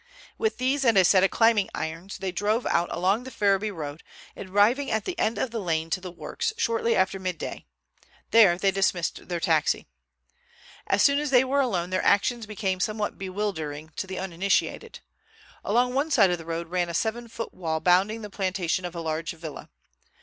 With these and a set of climbing irons they drove out along the Ferriby road, arriving at the end of the lane to the works shortly after midday. There they dismissed their taxi. As soon as they were alone their actions became somewhat bewildering to the uninitiated. Along one side of the road ran a seven foot wall bounding the plantation of a large villa.